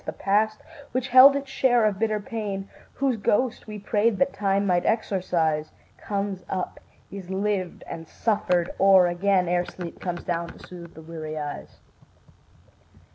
The past which held its share of bitter pain, Whose ghost we prayed that Time might exorcise, Comes up, is lived and suffered o'er again, Ere sleep comes down to soothe the weary eyes.